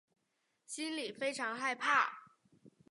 心里非常害怕